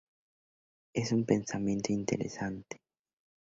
Es un pensamiento interesante.